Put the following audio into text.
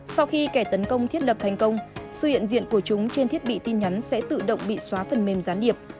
sau khi kẻ tấn công thiết lập thành công sự hiện diện của chúng trên thiết bị tin nhắn sẽ tự động bị xóa phần mềm gián điệp